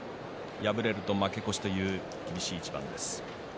敗れると負け越しという厳しい一番です。